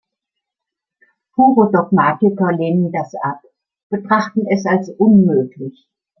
Pure Dogmatiker lehnen das ab, betrachten es als unmöglich.